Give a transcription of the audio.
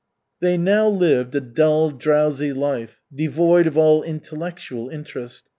They now lived a dull, drowsy life, devoid of all intellectual interest.